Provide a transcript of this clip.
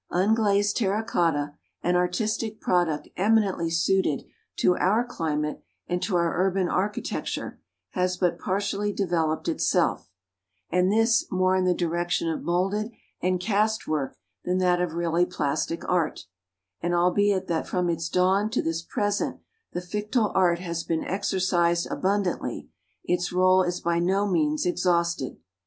Unglazed terra cotta, an artistic product eminently suited to our climate and to our urban architecture, has but partially developed itself, and this more in the direction of moulded and cast work than that of really plastic art; and albeit that from its dawn to this present the Fictile Art has been exercised abundantly, its rôle is by no means exhausted.